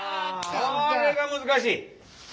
これが難しい！